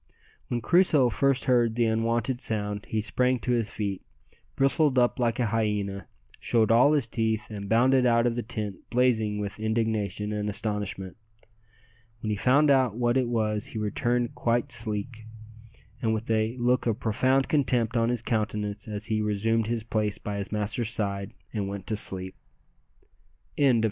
When Crusoe first heard the unwonted sound he sprang to his feet, bristled up like a hyena, showed all his teeth, and bounded out of the tent blazing with indignation and astonishment. When he found out what it was he returned quite sleek, and with a look of profound contempt on his countenance as he resumed his place by his master's side and went to sleep. CHAPTER X.